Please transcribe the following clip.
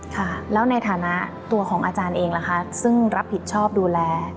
ค่ะแล้วในฐานะตัวของอาจารย์เองล่ะคะซึ่งรับผิดชอบดูแล